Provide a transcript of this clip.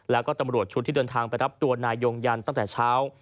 แล้วก็ตำรวจชุดที่เดินทางไปรับตัวนายยงยันตั้งแต่เช้า